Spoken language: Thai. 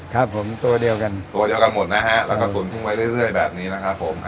ครับผมตัวเดียวกันตัวเดียวกันหมดนะฮะแล้วก็ตุ๋นกุ้งไว้เรื่อยแบบนี้นะครับผม